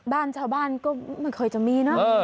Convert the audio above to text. บ้านชาวบ้านก็ไม่เคยจะมีเนอะ